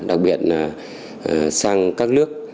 đặc biệt là sang các nước